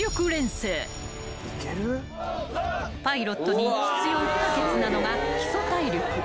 ［パイロットに必要不可欠なのが基礎体力］